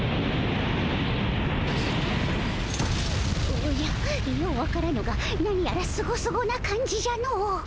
おじゃよう分からぬが何やらスゴスゴな感じじゃのう。